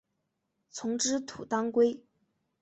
丛枝土当归